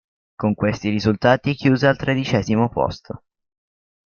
Con questi risultati chiuse al tredicesimo posto.